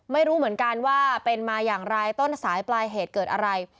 ไม่รู้เหมือนกันว่าเป็นมาอย่างไรต้นสายปลายเหตุเกิดอะไร